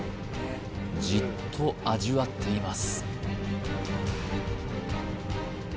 じっと味わっています